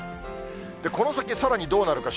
この先、さらにどうなるか。